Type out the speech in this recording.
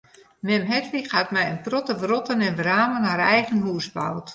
Mem Hedwig hat mei in protte wrotten en wramen har eigen hûs boud.